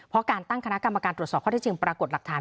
เพราะการตั้งคณะกรรมการตรวจสอบข้อที่จริงปรากฏหลักฐาน